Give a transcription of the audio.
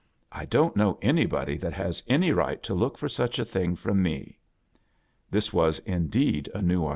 I don't 'know anybody thatias' any right to loojltlor such a thing ^iti' me." This wa&'indeed a.nev.